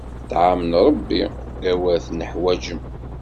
Ṭṭɛam n Ṛebbi, awer tenneḥwaǧem!